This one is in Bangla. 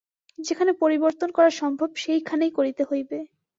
যেখানে পরিবর্তন করা সম্ভব সেইখানেই করিতে হইবে।